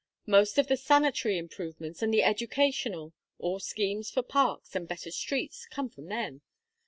Most of the sanitary improvements and the educational, all schemes for parks and better streets, come from them.